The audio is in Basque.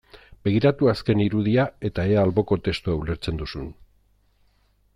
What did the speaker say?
Begiratu azken irudia eta ea alboko testua ulertzen duzun.